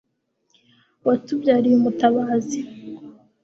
watubyariye umutabazi